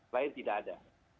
lain tidak ada